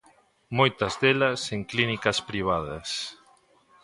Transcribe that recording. Moitas delas en clínicas privadas.